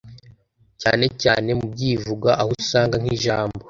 cyane cyane mu byivugo ahousanga nk'ijambo